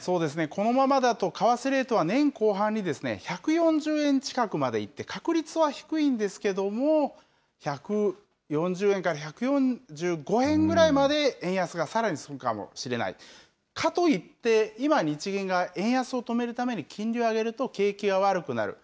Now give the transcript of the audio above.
このままだと、為替レートは年後半に１４０円近くまでいって、確率は低いんですけども、１４０円から１４５円ぐらいまで円安がさらに進むかもしれない、かといって今、日銀が円安を止めるために金利を上げると、景気は悪くなる。